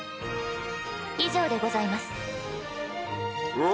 以上でございます。